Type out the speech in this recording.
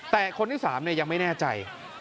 แต่คนที่๓ยังไม่แน่ใจ